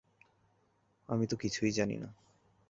আমি তো কিছুই জানি না।